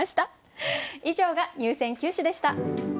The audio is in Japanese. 以上が入選九首でした。